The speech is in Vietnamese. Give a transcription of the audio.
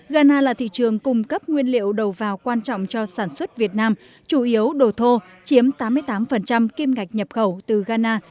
ghana là thị trường cung cấp nguyên liệu đầu vào quan trọng cho sản xuất việt nam chủ yếu đồ thô chiếm tám mươi tám kim ngạch nhập khẩu từ ghana